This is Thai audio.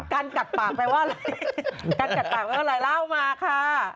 กันกระต่าปากไว้ว่าลายลาวมาคะ